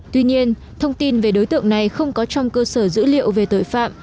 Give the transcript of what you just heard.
tuy nhiên thông tin về đối tượng này không có trong cơ sở dữ liệu về tội phạm